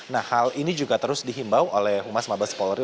nah hal ini juga terus dihimbau oleh humas mabes polri